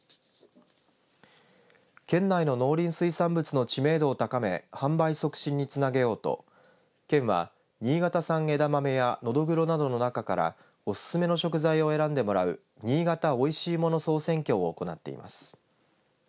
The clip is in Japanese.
県内の農林水産物の知名度を高め販売促進につなげようと県は新潟産えだまめやのどぐろなどの中からおすすめの食材を選んでもらう新潟おいしいもの総選挙を行っています。